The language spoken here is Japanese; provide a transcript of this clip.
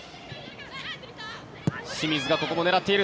清水がここも狙っている。